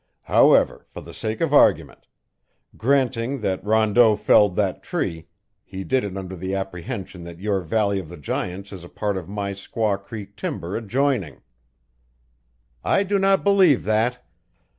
However, for the sake of argument: granting that Rondeau felled that tree, he did it under the apprehension that your Valley of the Giants is a part of my Squaw Creek timber adjoining." "I do not believe that.